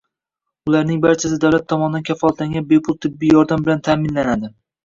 ularning barchasi davlat tomonidan kafolatlangan bepul tibbiy yordam bilan ta’minlanadi.